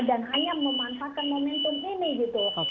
dan hanya memanfaatkan momentum ini gitu